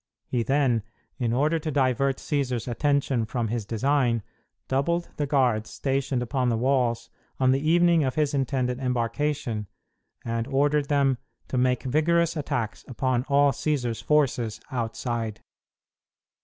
He then, in order to divert Cćsar's attention from his design, doubled the guards stationed upon the walls on the evening of his intended embarkation, and ordered them to make vigorous attacks upon all Cćsar's forces outside.